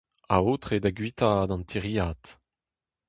Aotre da guitaat an tiriad.